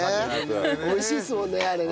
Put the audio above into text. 美味しいですもんねあれね。